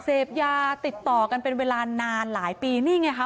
เสพยาติดต่อกันเป็นเวลานานหลายปีนี่ไงคะ